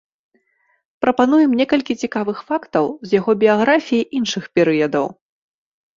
Прапануем некалькі цікавых фактаў з яго біяграфіі іншых перыядаў.